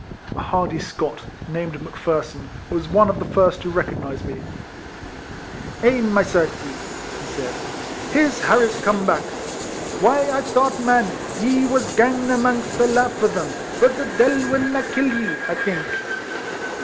A hardy Scot, named Mc Pherson, was one of the first who recognised me. " Eh, my certie," he said, " here's Harris come back. Why I thought, man, ye was gane amangst the lave o' them, but the deil will na kill ye, I think